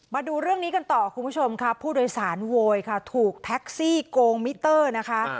มาดูเรื่องนี้กันต่อคุณผู้ชมค่ะผู้โดยสารโวยค่ะถูกแท็กซี่โกงมิเตอร์นะคะ